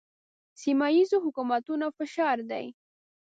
سیمه ییزو حکومتونو فشار دی.